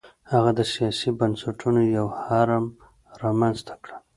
هغه د سیاسي بنسټونو یو هرم رامنځته کړل.